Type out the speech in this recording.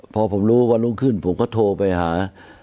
พอผมรู้วันรุ่งขึ้นผมก็โทรไปหา